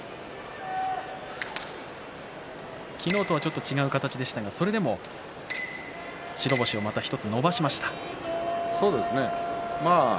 昨日とはちょっと違う形でしたが白星をまた１つ伸ばしました。